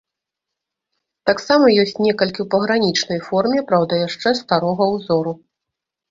Таксама ёсць некалькі ў пагранічнай форме, праўда, яшчэ старога ўзору.